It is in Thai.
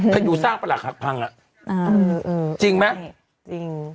ถ้าอยู่สร้างประหลักหักพังอ่ะอ่าจริงไหมจริง